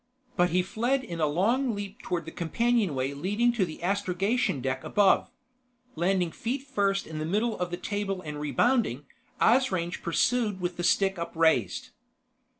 But he fled in a long leap toward the companionway leading to the astrogation deck above. Landing feet first in the middle of the table and rebounding, Asrange pursued with the stick upraised.